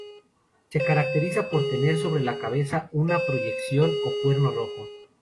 Se caracterizan por tener sobre la cabeza una proyección o "cuerno" rojo.